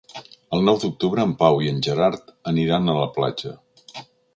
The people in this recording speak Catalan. El nou d'octubre en Pau i en Gerard aniran a la platja.